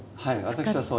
はい。